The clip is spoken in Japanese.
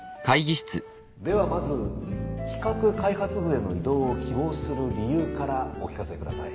ではまず企画開発部への異動を希望する理由からお聞かせください。